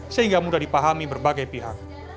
sehingga mudah dipahami berbagai pihak